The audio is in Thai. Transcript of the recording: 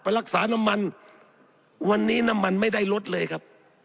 รักษาน้ำมันวันนี้น้ำมันไม่ได้ลดเลยครับ